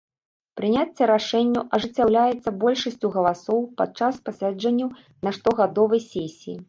Прыняцце рашэнняў ажыццяўляецца большасцю галасоў падчас пасяджэнняў на штогадовай сесіі.